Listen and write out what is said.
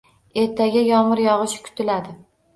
Ertaga yomg’ir yog'ishi kutiladi.